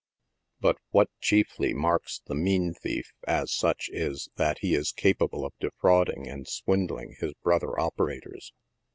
But what chiefly marks the"" mean thief 7 as such is, that he is capable of defrauding and swindling his brother operators.